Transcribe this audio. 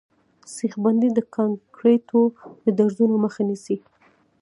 سیخ بندي د کانکریټو د درزونو مخه نیسي